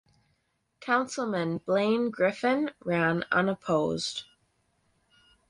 Councilman Blaine Griffin ran unopposed.